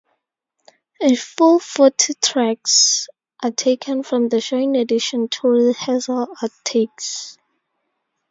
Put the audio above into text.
A full forty tracks are taken from the show in addition to rehearsal outtakes.